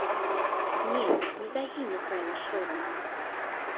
Не, не загіне край наш родны.